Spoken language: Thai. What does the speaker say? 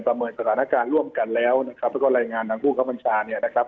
ประเมินสถานการณ์ร่วมกันแล้วแล้วก็ลายงานทางผู้คำว่าบะชา